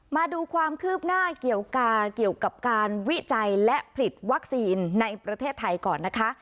มาดูความคืบหน้าเกี่ยวกับการวิจัยและผลิตวัคซีนในประเทศไทยก่อนนะคะ